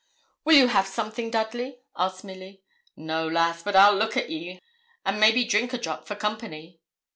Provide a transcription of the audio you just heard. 'Will you have something, Dudley?' asked Milly. 'No, lass; but I'll look at ye, and maybe drink a drop for company.'